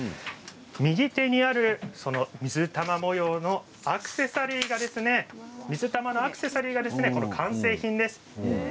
右手にある水玉模様のアクセサリーが水玉のアクセサリーが完成品です。